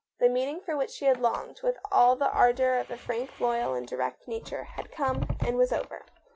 The meeting for which she had longed with all the ardour of a frank, loyal, and direct nature had come, and was over.